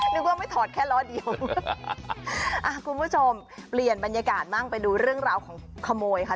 นึกว่าไม่ถอดแค่ล้อเดียวอ่ะคุณผู้ชมเปลี่ยนบรรยากาศบ้างไปดูเรื่องราวของขโมยค่ะ